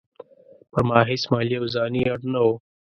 پر هیڅ مالي او ځاني اړ نه وو.